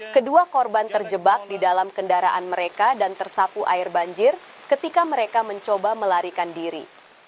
kedua korban terjebak di dalam kendaraan mereka dan tersapu air banjir ketika mereka mencoba melarikan diri